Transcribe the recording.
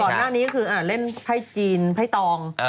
ก่อนหน้านี้ก็คือเล่นไพ่จีนไพ่ตอง